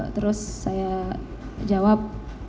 terus saya jawab